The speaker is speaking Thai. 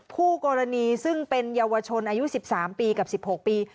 คู่กรณีซึ่งเป็นเยาวชนอายุ๑๓ปีกับ๑๖ปี